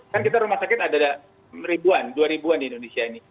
kan kita rumah sakit ada ribuan dua ribu an di indonesia ini